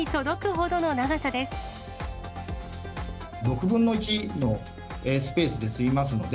６分の１のスペースで済みますので、